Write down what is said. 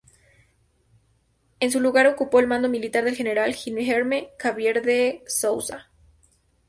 En su lugar ocupó el mando militar el general Guilherme Xavier de Souza.